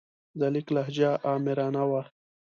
د لیک لهجه آمرانه وه.